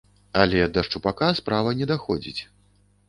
Але да шчупака справа не даходзіць.